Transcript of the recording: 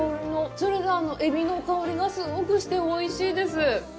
それでエビの香りがすごくしておいしいです。